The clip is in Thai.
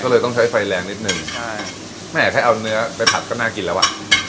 ก็เลยต้องใช้ไฟแรงนิดนึงใช่แม่ถ้าเอาเนื้อไปผัดก็น่ากินแล้วอ่ะ